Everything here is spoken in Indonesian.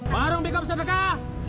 warung pickup sedekah